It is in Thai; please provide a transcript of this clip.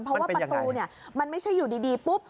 เพราะว่าประตูมันไม่ใช่อยู่ดีปุ๊บ